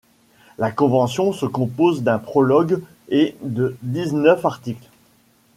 La Convention se compose d'un prologue et de dix-neuf articles.